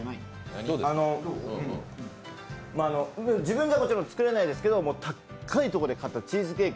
自分じゃもちろん作れないですけど高いところで買ったチーズケーキ。